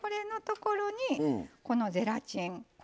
ここにゼラチン。